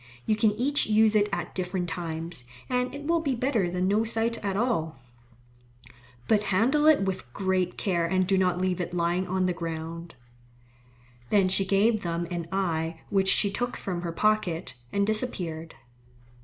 You can each use it at different times, and it will be better than no sight at all. But handle it with great care and do not leave it lying on the ground." Then she gave them an eye which she took from her pocket, and disappeared.